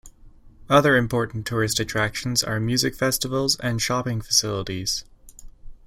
Other important tourist attractions are music festivals and shopping facilities.